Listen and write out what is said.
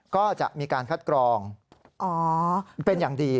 ก็จะมีการคัดกรองเป็นอย่างดี